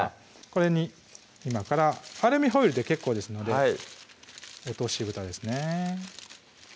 これに今からアルミホイルで結構ですので落としぶたですね